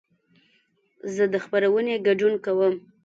زه د خپرونې ګډون کوم.